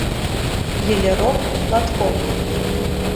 Йылерок, латкок